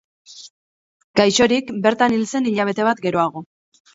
Gaixorik, bertan hil zen hilabete bat geroago.